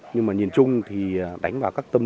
nhưng mà nhìn chung thì đánh vào các đối tượng